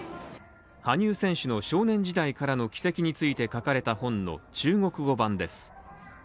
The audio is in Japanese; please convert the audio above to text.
羽生選手の少年時代からの軌跡について書かれた本の中国語版です。